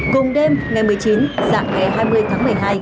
cùng đêm ngày một mươi chín dạng ngày hai mươi tháng một mươi hai